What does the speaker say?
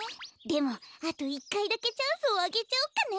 でもあと１かいだけチャンスをあげちゃおうかな。